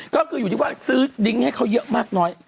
ก็คืออยู่ที่ว่าซื้อดิ้งให้เขาเยอะมากน้อย